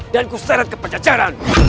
dan kuserat kepencacaran